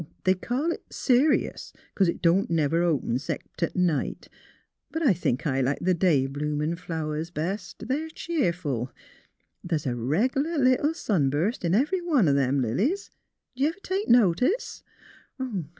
They call it Serious 'cause it don't never open 'xcept at night. But I think I like the day bloomin' flowers best. They're cheerful. The's a reg'lar little sun burst in every one o' them lilies; did y' ever take notice?